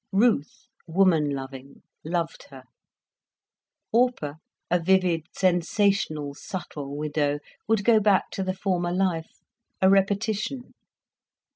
Ruth, woman loving, loved her. Orpah, a vivid, sensational, subtle widow, would go back to the former life, a repetition.